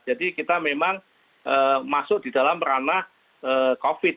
jadi kita memang masuk di dalam ranah covid sembilan belas